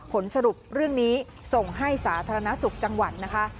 ผลสรุปเรื่องนี้ส่งให้สาธารณสุขจังหวัดนะคะ